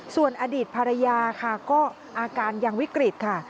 ส่วนอดีตภรรยาค่ะก็อาการยังวิกฤตค่ะ